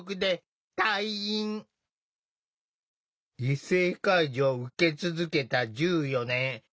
異性介助を受け続けた１４年。